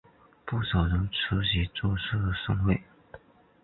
不少人出席这次盛会。